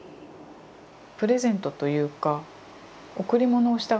プレゼントというか贈り物をしたがるんですよね。